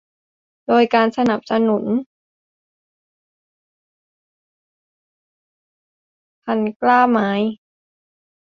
โดยการสนับสนุน่พันธุ์กล้าไม้